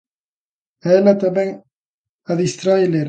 A ela tamén a distrae ler.